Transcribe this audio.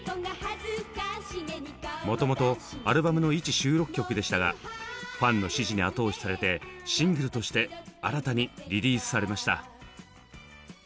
もともとアルバムのいち収録曲でしたがファンの支持に後押しされてシングルとして新たにリリースされました。